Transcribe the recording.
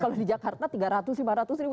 kalau di jakarta tiga ratus lima ratus ribu